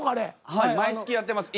はい毎月やってます。